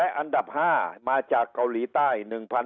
อันดับ๕มาจากเกาหลีใต้๑๕